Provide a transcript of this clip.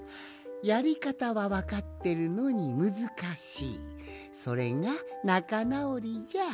やりかたはわかってるのにむずかしいそれがなかなおりじゃ。